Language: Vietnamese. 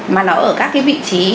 mà nó ở các cái vị trí